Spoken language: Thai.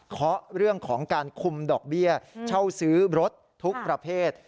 เคาะเรื่องของการคุมดอกเบี้ยเช่าซื้อรถทุกประเภท